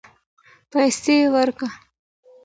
پیسې ورکړه